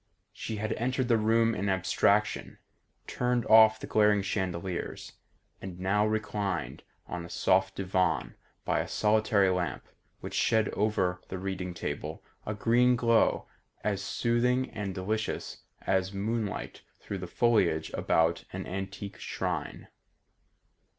She had entered the room in abstraction, turned off the glaring chandeliers, and now reclined on a soft divan by a solitary lamp which shed over the reading table a green glow as soothing and delicious as moonlight through the foliage about an antique shrine.